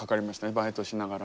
バイトしながら。